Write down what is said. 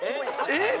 えっ！